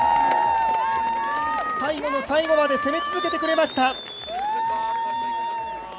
最後の最後まで攻め続けてくれました。